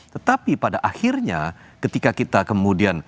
tetapi pada akhirnya ketika kita kemudian